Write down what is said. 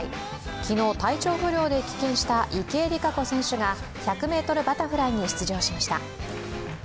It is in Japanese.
昨日、体調不良で棄権した池江璃花子選手が１００ｍバタフライに出場しました。